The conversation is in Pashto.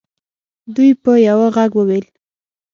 دوی په یوه ږغ وویل.